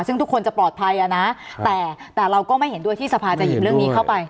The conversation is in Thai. ซึ่งทุกคนจะปลอดภัยอ่ะนะแต่เราก็ไม่เห็นด้วยที่สภาจะหยิบเรื่องนี้เข้าไป